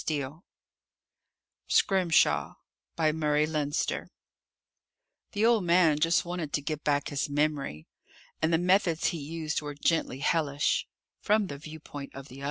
SCRIMSHAW _The old man just wanted to get back his memory and the methods he used were gently hellish, from the viewpoint of the others....